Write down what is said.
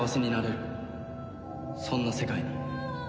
そんな世界に。